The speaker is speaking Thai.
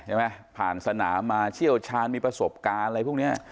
ผ่านสนามมาเชี่ยวชาญมีประสบการณ์อะไรพวกนี้